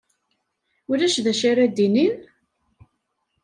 Ulac d acu ara d-inin?